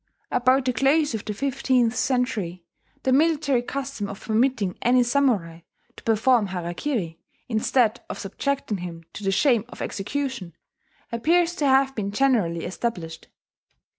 About the close of the fifteenth century, the military custom of permitting any samurai to perform harakiri, instead of subjecting him to the shame of execution, appears to have been generally established.